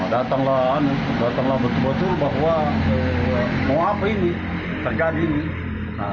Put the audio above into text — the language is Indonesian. datanglah betul betul bahwa mau apa ini terjadi ini